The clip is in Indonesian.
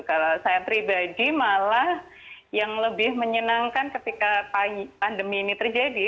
kalau saya pribadi malah yang lebih menyenangkan ketika pandemi ini terjadi